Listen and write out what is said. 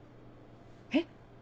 えっ？